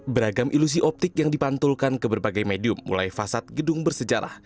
beragam ilusi optik yang dipantulkan ke berbagai medium mulai fasad gedung bersejarah